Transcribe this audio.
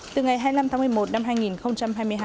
từ ngày hai mươi năm tháng một mươi một năm hai nghìn hai mươi hai